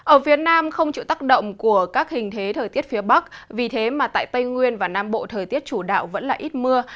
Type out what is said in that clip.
ở phía nam không chịu tác động của các hình thế thời tiết phía bắc vì thế mà tại tây nguyên và nam bộ thời tiết chủ đạo vẫn là ít mưa